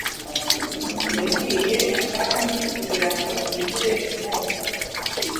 Yagiye Atami kugirango ahindure umwuka.